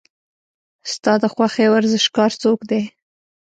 ستا د خوښې ورزشکار څوک دی؟